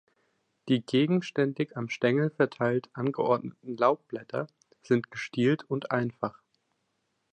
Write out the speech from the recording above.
Die gegenständig am Stängel verteilt angeordneten Laubblätter sind gestielt und einfach.